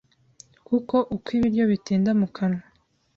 kuko uko ibiryo bitinda mu kanwa